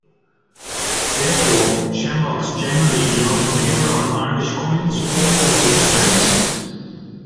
Therefore, shamrocks generally do not appear on Irish coins or postage stamps.